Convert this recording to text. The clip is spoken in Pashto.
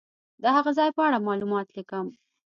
د هغه ځای په اړه معلومات لیکم.